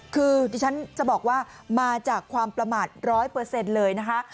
คือที่ฉันจะบอกว่ามาจากความประมาท๑๐๐เลยนะคะ